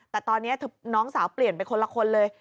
แต่ตอนนี้น้องสาวเปลี่ยนไปคนละคนเลย